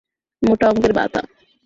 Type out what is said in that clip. মোটা অংকের ভাতা।